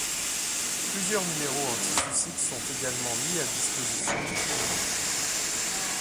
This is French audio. Plusieurs numéros anti-suicide sont également mis à disposition du public.